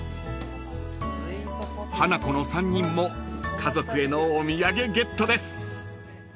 ［ハナコの３人も家族へのお土産ゲットです］